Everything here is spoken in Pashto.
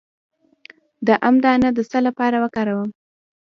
د ام دانه د څه لپاره وکاروم؟